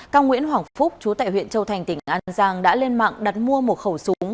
cao nguyễn hoàng phúc chú tại huyện châu thành tỉnh an giang đã lên mạng đặt mua một khẩu súng